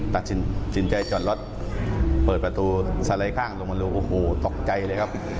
ตัดสินใจจอดรถเปิดประตูสลายข้างตกใจเลยครับ